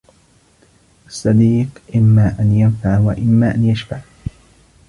الصديق إما أن ينفع وإما أن يشفع